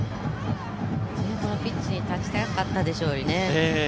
このピッチに立ちたかったでしょうね。